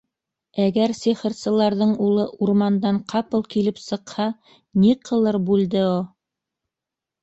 Әгәр сихырсыларҙың улы урмандан ҡапыл килеп сыҡһа, ни ҡылыр Бульдео?